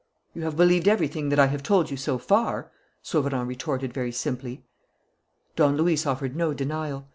"You have believed everything that I have told you so far," Sauverand retorted very simply. Don Luis offered no denial.